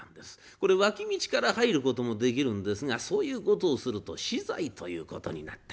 これ脇道から入ることもできるんですがそういうことをすると死罪ということになった。